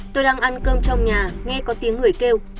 tôi đang ăn cơm trong nhà nghe có tiếng người kêu